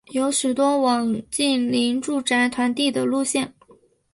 有许多网近邻住宅团地的路线。